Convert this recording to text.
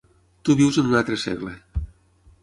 Tu vius en un altre segle.